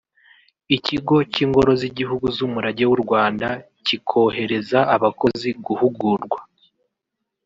Ikigo cy’Ingoro z’Igihugu z’Umurage w’u Rwanda kikohereza abakozi guhugurwa